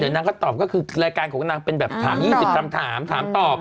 นางก็ตอบก็คือรายการของนางเป็นแบบถาม๒๐คำถามถามตอบ